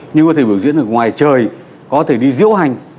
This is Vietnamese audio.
nhưng có thể biểu diễn ở ngoài trời có thể đi diễu hành